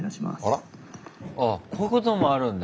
ああこういうこともあるんだ。